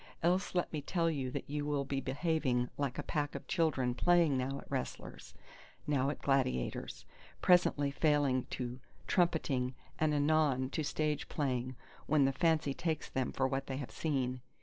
Else let me tell you that you will be behaving like a pack of children playing now at wrestlers, now at gladiators; presently falling to trumpeting and anon to stage playing, when the fancy takes them for what they have seen.